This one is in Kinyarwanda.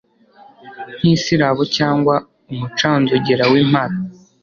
nk isirabo cyangwa umucanzogera w impara